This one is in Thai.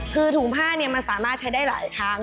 คือถุงผ้ามันสามารถใช้ได้หลายครั้ง